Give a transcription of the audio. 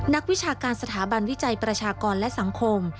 วิชาการสถาบันวิจัยประชากรและสังคม